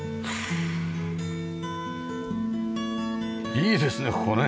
いいですねここね。